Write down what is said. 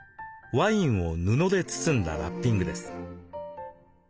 ワインを布で包んだラッピングです。